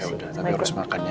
ya udah tapi harus makannya